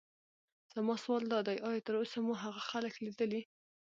زما سوال دادی: ایا تراوسه مو هغه خلک لیدلي.